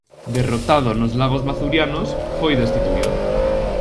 Derrotado nos lagos Mazurianos, foi destituído.